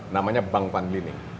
namanya bank van liening